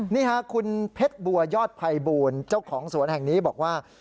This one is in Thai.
นี่ค่ะคุณเพชรบัวยอดภัยบูรณ์เจ้าของสวนแห่งนี้บอกว่า